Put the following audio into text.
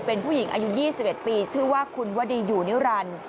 เป็นผู้หญิงอายุ๒๑ปีชื่อว่าคุณวดีอยู่นิรันดิ์